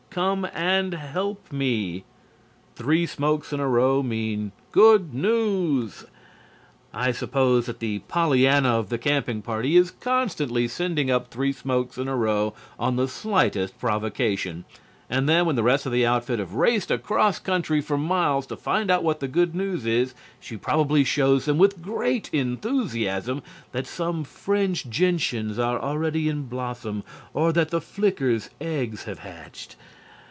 Come and help me." Three smokes in a row mean "Good news!" I suppose that the Pollyanna of the camping party is constantly sending up three smokes in a row on the slightest provocation, and then when the rest of the outfit have raced across country for miles to find out what the good news is she probably shows them, with great enthusiasm, that some fringed gentians are already in blossom or that the flicker's eggs have hatched.